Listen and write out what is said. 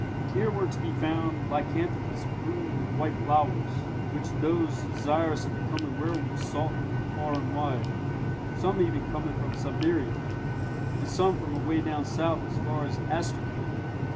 Here were to be found lycanthropous blue and white flowers, which those desirous of becoming werwolves sought from far and wide, some even coming from Siberia, and some from away down South as far as Astrakan.